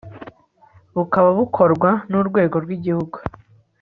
bukaba bukorwa n'urwego rw'igihugu